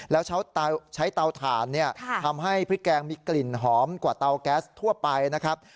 แล้วใช้เตาถ่านทำให้พริกแกงมีกลิ่นหอมกว่าเตาแก๊สทั่วไปนะครับ